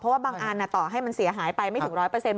ว่าบางอันต่อให้มันเสียหายไปไม่ถึง๑๐๐